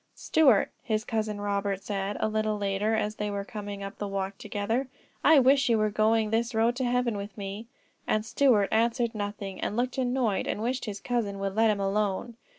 "Stuart," his Cousin Robert said, a little later, as they were coming up the walk together, "I wish you were going this road to heaven with me," and Stuart answered nothing and looked annoyed and wished his cousin would let him alone.